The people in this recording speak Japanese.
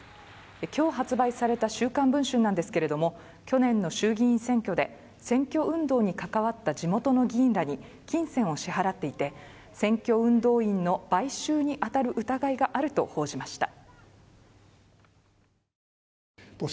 今日発売された「週刊文春」なんですけれども、去年の衆議院選挙で選挙運動に関わった地元の議員らに金銭を支払っていて選挙運動員の買収に当たる疑いがあると報じました。